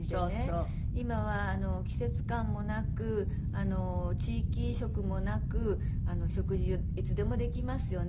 今は季節感もなく地域色もなく食事いつでもできますよね。